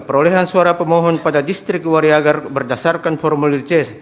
perolehan suara pemohon pada distrik wariagar berdasarkan formulir c